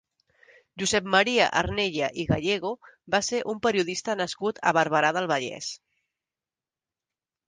Josep Maria Arnella i Gallego va ser un periodista nascut a Barberà del Vallès.